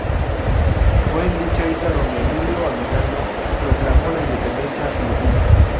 Fue en dicha isla donde Emilio Aguinaldo proclamó la independencia filipina.